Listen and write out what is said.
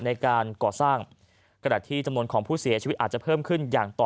ในการก่อสร้างกระดาษที่จำนวนของผู้เสียชีวิตอาจจะเพิ่มขึ้นอย่างต่อ